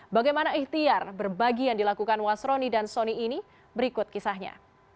bagaimana ikhtiar berbagi yang dilakukan wasroni dan sony ini berikut kisahnya